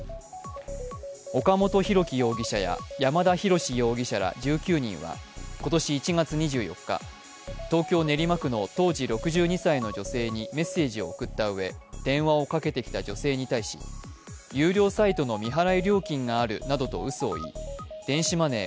岡本大樹容疑者や山田大志容疑者ら１９人は今年１月２４日、東京・練馬区の当時６２歳の女性にメッセージを送ったうえ電話をかけてきた女性に対し有料サイトの未払い料金があるなどとうそを言い、電子マネー